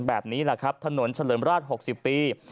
แบบนี้แหละครับถนนเฉลิมราช๖๐ปี